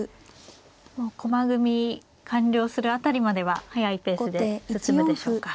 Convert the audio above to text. もう駒組み完了する辺りまでは速いペースで進むでしょうか。